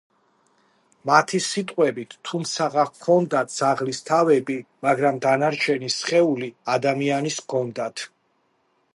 მათი სიტყვებით: „თუმცაღა ჰქონდათ ძაღლის თავები, მაგრამ დანარჩენი სხეული ადამიანის ჰქონდათ“.